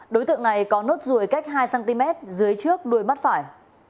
đối tượng này có nốt ruồi cách hai cm dưới trước đuôi mắt phải